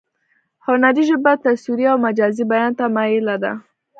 هنري ژبه تصویري او مجازي بیان ته مایله ده